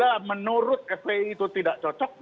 apabila menurut fpi itu terjadi itu tidak akan berhasil